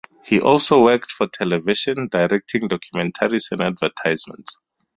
He also worked for television, directing documentaries and advertisements.